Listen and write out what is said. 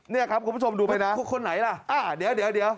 เนี่ยครับคุณผู้ชมดูไปนะคนไหนล่ะอ่าเดี๋ยว